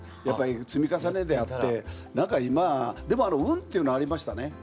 積み重ねであって何か今でも運っていうのはありましたね。